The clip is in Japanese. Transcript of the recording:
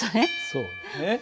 そうだね。